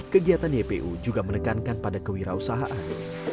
kegiatan ypu juga menekankan pada kewirausahaan